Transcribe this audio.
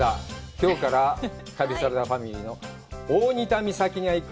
きょうから旅サラダファミリーの「大仁田美咲が行く！